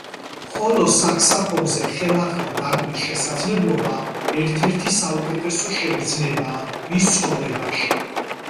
ხოლო საქსაფონზე ხელახლა დაკვრის შესაძლებლობა ერთ-ერთი საუკეთესო შეგრძნებაა მის ცხოვრებაში.